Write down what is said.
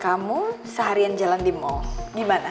kamu seharian jalan di mall gimana